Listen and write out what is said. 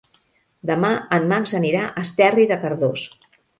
Demà en Max anirà a Esterri de Cardós.